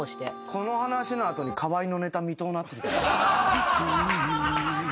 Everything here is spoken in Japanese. この話の後に河合のネタ見とうなってきたな。